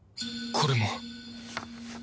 これも！